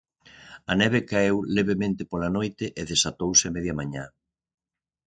A neve caeu levemente pola noite e desatouse media mañá.